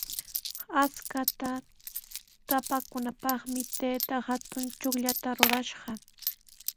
Akshuta taapanapaqmi taytaa hatun chukllata rurashqa.